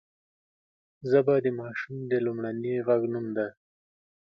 ژبه د ماشوم د لومړني غږ نوم دی